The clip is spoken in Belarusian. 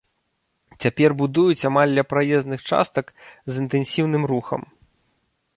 Цяпер будуюць амаль ля праезных частак з інтэнсіўным рухам.